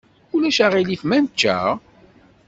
Ulac aɣilif ma nečča?